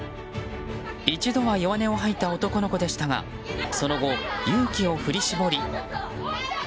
一度は弱音を吐いた男の子でしたがその後、勇気を振り絞り。